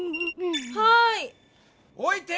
はい。